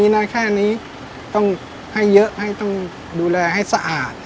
นานแค่นี้ต้องให้เยอะให้ต้องดูแลให้สะอาด